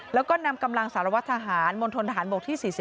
แล้วก็นำกำลังสารวัฒนฐานมณฑรฐานบกที่๔๕